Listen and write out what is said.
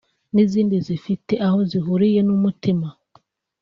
n’izindi zifite aho zihuriye n’umutima